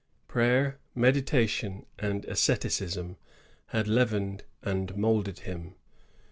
Prayer, medi tation, and asceticism had leavened and moulded him.